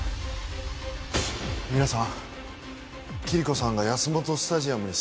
皆さんキリコさんがヤスモトスタジアムに